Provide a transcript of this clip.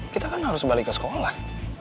kita kan harus balik ke sekolah